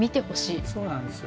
そうなんですよ。